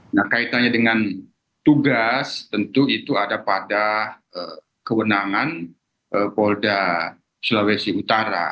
nah kaitannya dengan tugas tentu itu ada pada kewenangan polda sulawesi utara